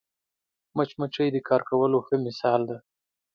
مچمچۍ د کار کولو ښه مثال دی